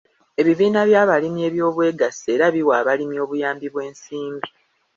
Ebibiina by'abalimi eby'obwegassi era biwa abalimi obuyambi bw'ensimbi.